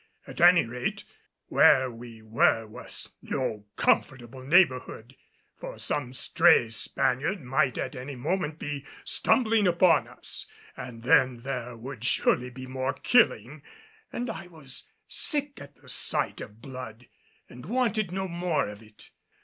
At any rate, where we were was no comfortable neighborhood, for some stray Spaniard might at any moment be stumbling upon us, and then there would surely be more killing, and I was sick at the sight of blood, and wanted no more of it.